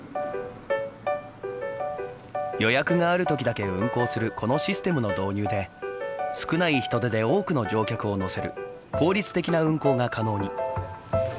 予約があるときだけ運行するこのシステムの導入で少ない人手で多くの乗客を乗せる効率的な運行が可能に。